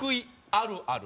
あるある？